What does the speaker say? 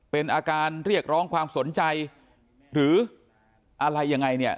เป็นอาการเรียกร้องความสนใจหรืออะไรยังไงเนี่ย